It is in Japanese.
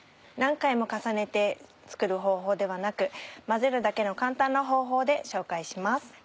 何回も重ねて作る方法ではなく混ぜるだけの簡単な方法で紹介します。